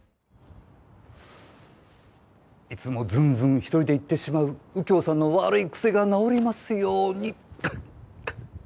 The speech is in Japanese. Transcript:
いつもずんずん１人で行ってしまう右京さんの癖が直りますように。